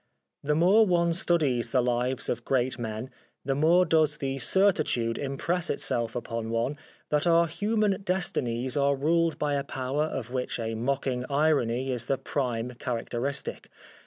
The more one studies the lives of great men the more does the certitude impress itself upon one that our human destinies are ruled by a power of which a mocking irony is the prime characteristic.